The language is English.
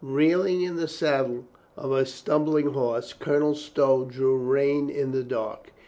Reeling in the saddle of a stumbling horse, Colonel Stow drew rein in the dark.